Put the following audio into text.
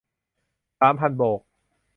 สามพันโบก